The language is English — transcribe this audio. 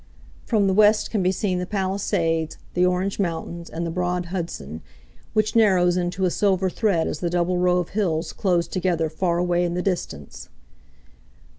From the west can be seen the Palisades, the Orange Mountains, and the broad Hudson, which narrows into a silver thread as the double row of hills close together far away in the distance.